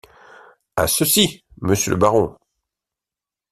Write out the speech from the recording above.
À ceci, monsieur le baron.